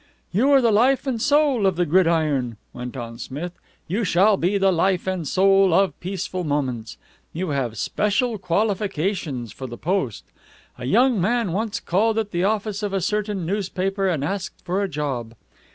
"You were the life and soul of the Gridiron," went on Smith. "You shall be the life and soul of Peaceful Moments. You have special qualifications for the post. A young man once called at the office of a certain newspaper, and asked for a job.